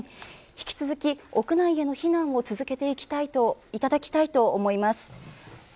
引き続き屋内への避難を続けていただきたいと思います。